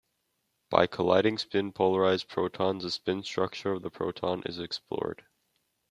By colliding spin-polarized protons, the spin structure of the proton is explored.